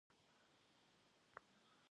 Zı ğem şşç'eş, yêt'uanem jjemş.